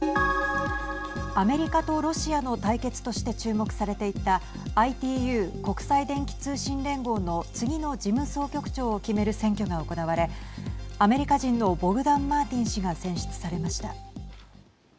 アメリカとロシアの対決として注目されていたＩＴＵ＝国際電気通信連合の次の事務総局長を決める選挙が行われアメリカ人のボグダンマーティン氏が選出されました。